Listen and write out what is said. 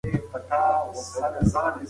منطق تل ګټونکی دی.